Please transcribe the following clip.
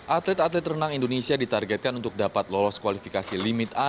atlet atlet renang indonesia ditargetkan untuk dapat lolos kualifikasi limit a